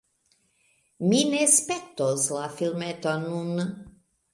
Mi ne spektos la filmeton nun